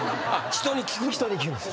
人に聞くんです。